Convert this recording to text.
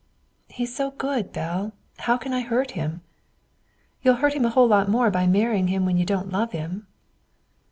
"He's so good, Belle. How can I hurt him?" "You'll hurt him a lot more by marrying him when you don't love him."